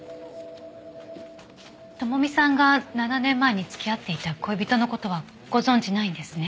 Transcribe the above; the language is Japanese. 朋美さんが７年前に付き合っていた恋人の事はご存じないんですね？